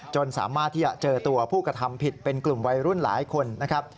สามารถที่จะเจอตัวผู้กระทำผิดเป็นกลุ่มวัยรุ่นหลายคนนะครับ